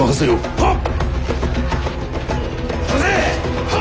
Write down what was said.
はっ！